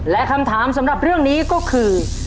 และคำถามสำหรับเรื่องนี้ก็คือ